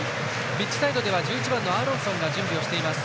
ピッチサイドでは１１番のアーロンソンが準備しています。